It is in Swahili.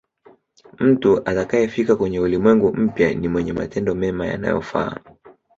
mtu atakayefika kwenye ulimwengu mpya ni mwenye matendo mema yanayofaa